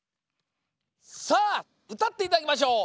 さあうたっていただきましょう。